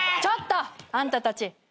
ちょっと！あんたたち。